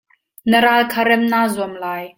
Na ral kha rem naa zuam lai.